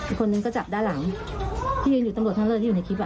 อีกคนนึงก็จับด้านหลังที่ยืนอยู่ตำรวจท่านเลยที่อยู่ในคลิปอ่ะ